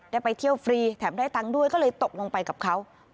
ไปเที่ยวฟรีแถมได้ตังค์ด้วยก็เลยตกลงไปกับเขา